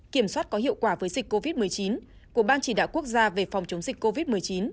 kiểm soát có hiệu quả với dịch covid một mươi chín của ban chỉ đạo quốc gia về phòng chống dịch covid một mươi chín